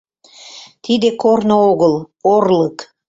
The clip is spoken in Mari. — Тиде корно огыл — орлык...